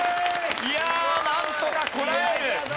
いやあなんとかこらえる！